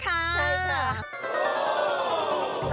ใช่ค่ะ